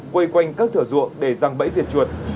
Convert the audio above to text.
quây quanh các thửa ruộng để răng bẫy diệt chuột